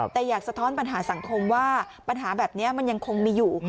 แต่อยากสะท้อนปัญหาสังคมว่าปัญหาแบบนี้มันยังคงมีอยู่